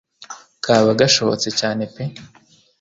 kaba gashobotse cyane pe